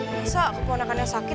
biasa aku kepenganakannya sakit